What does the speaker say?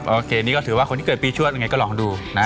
โอเคนี่ก็ถือว่าคนที่เกิดปีชวดยังไงก็ลองดูนะ